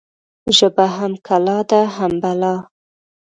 ژبه هم کلا ده هم بلا.